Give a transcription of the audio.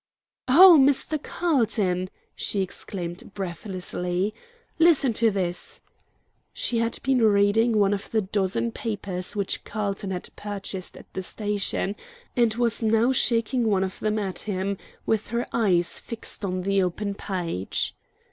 "Oh, Mr. Carlton," she exclaimed, breathlessly, "listen to this!" She had been reading one of the dozen papers which Carlton had purchased at the station, and was now shaking one of them at him, with her eyes fixed on the open page.